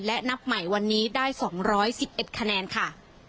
และนับใหม่วันนี้ได้๒๑๑คะแนนค่ะ